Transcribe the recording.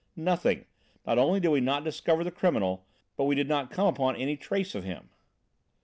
"Nothing. Not only did we not discover the criminal, but we did not come upon any trace of him."